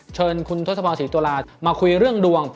เชิญคุณทศพรศรีตุลามาคุยเรื่องดวง